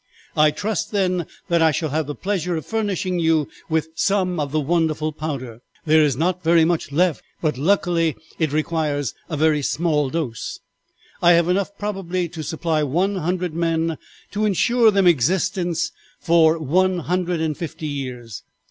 "'I trust, then, that I shall have the pleasure of furnishing you with some of the wonderful powder? There is not very much of it left, but luckily it requires a very small dose. I have enough probably to supply one hundred men to insure them existence for one hundred and fifty years.